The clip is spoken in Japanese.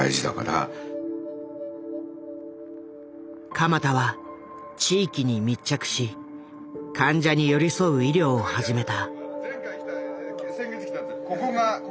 鎌田は地域に密着し患者に寄り添う医療を始めた。